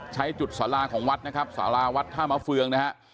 ใช้จุดสาราของวัดนะครับสาราวัดท่ามะเฟืองนะฮะ